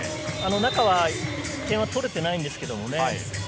中は、点は取れてないんですけどね。